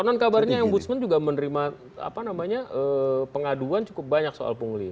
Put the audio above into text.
dan kabarnya ombudsman juga menerima pengaduan cukup banyak soal pungli